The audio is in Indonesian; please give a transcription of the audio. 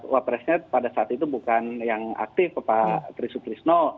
wapresnya pada saat itu bukan yang aktif pak trisukrisno